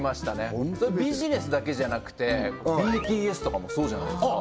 そういうビジネスだけじゃなくてＢＴＳとかもそうじゃないですか